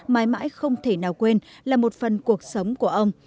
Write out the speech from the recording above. mãi mãi không thể nào quên là một phần cuộc sống của ông